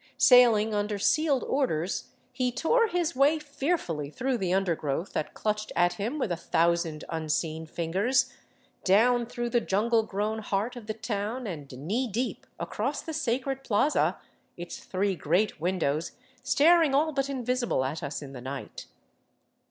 Sailing under sealed orders, he tore his way fearfully 476 A FORGOTTEN CITY OF THE ANDES through the undergrowth that clutched at him with a thousand unseen fingers, down through the jungle grown heart of the town and knee deep across the sacred plaza, its three great windows staring all but invisible at us in the night.